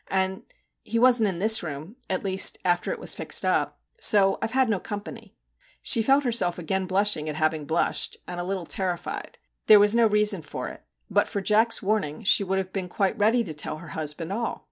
And he wasn't in this room at least after it was fixed up. So I 've had no company/ She felt herself again blushing at having blushed, and a little terrified. There was no reason for it. But for Jack's warning she would have been quite ready to tell her husband all.